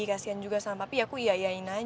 kasian juga sama papi aku iayain aja